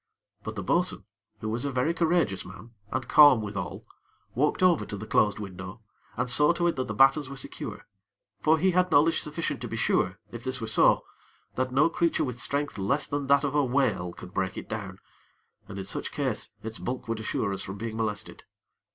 But the bo'sun, who was a very courageous man, and calm withal, walked over to the closed window, and saw to it that the battens were secure; for he had knowledge sufficient to be sure, if this were so, that no creature with strength less than that of a whale could break it down, and in such case its bulk would assure us from being molested.